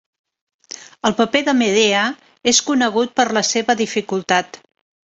El paper de Medea és conegut per la seva dificultat.